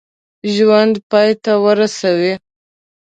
ژوند پای ته ورسوي.